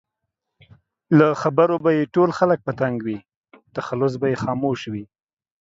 له خبرو به یې ټول خلک په تنګ وي؛ تخلص به یې خاموش وي